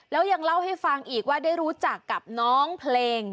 แล้วยังเล่าให้ฟังอีกว่าได้รู้จักกับน้องเพลง